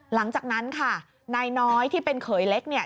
หลังจากนั้นค่ะนายน้อยที่เป็นเขยเล็กเนี่ย